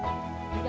saya akan menjaga